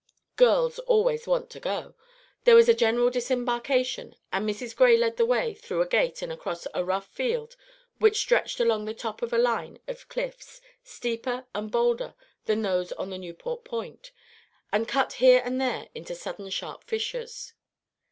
Girls always "want to go." There was a general disembarkation; and Mrs. Gray led the way through a gate and across a rough field which stretched along the top of a line of cliffs, steeper and bolder than those on the Newport Point, and cut here and there into sudden sharp fissures.